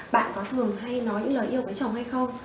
bạn có thường hay nói những lời yêu với chồng hay không